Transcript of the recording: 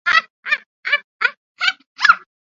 Hume currently lives and works in London and Accord, New York.